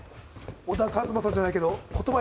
小田和正じゃないけど言葉にできない。